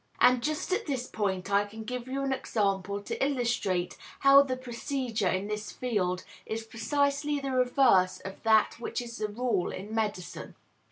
And just at this point I can give you an example to illustrate how the procedure in this field is precisely the reverse of that which is the rule in medicine.